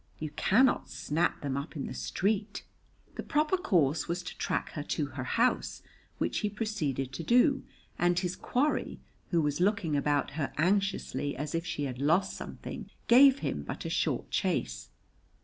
You cannot snap them up in the street. The proper course was to track her to her house, which he proceeded to do, and his quarry, who was looking about her anxiously, as if she had lost something, gave him but a short chase.